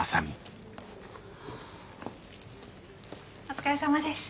お疲れさまです。